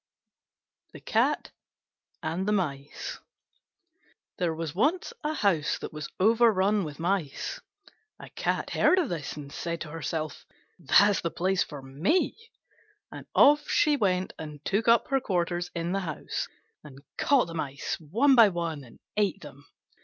THE CAT AND THE MICE There was once a house that was overrun with Mice. A Cat heard of this, and said to herself, "That's the place for me," and off she went and took up her quarters in the house, and caught the Mice one by one and ate them.